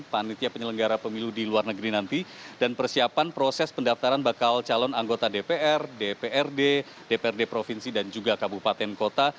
panitia penyelenggara pemilu di luar negeri nanti dan persiapan proses pendaftaran bakal calon anggota dpr dprd dprd provinsi dan juga kabupaten kota